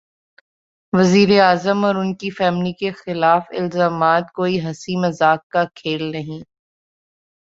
وزیر اعظم اور ان کی فیملی کے خلاف الزامات کوئی ہنسی مذاق کا کھیل نہیں۔